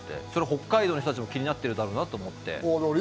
北海道の人たちも気になってるだろうなって思って。